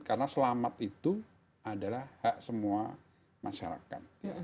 karena selamat itu adalah hak semua masyarakat